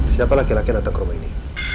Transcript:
siapa laki laki datang ke rumah ini